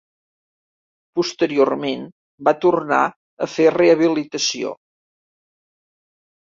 Posteriorment va tornar a fer rehabilitació.